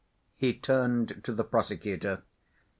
He turned to the prosecutor.